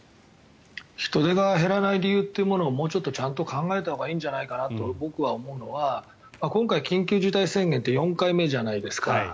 人出が減らない理由をもうちょっと考えたほうがいいんじゃないかなと僕は思うのは今回、緊急事態宣言って４回目じゃないですか。